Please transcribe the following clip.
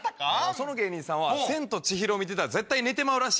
その芸人さんは『千と千尋』を見てたら絶対寝てまうらしい。